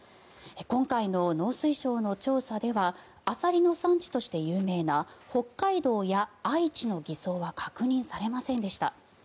今回の農水省の調査ではアサリの産地として有名な北海道や愛知の偽装は確認されませんでした。